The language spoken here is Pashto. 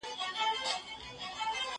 زه انځور نه ګورم!